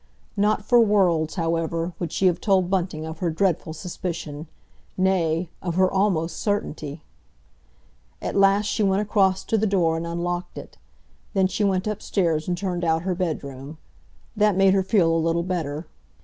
Not for worlds, however, would she have told Bunting of her dreadful suspicion—nay, of her almost certainty. At last she went across to the door and unlocked it. Then she went upstairs and turned out her bedroom. That made her feel a little better.